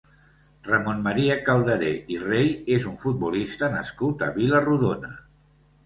Ramon Maria Calderé i Rey és un futbolista nascut a Vila-rodona.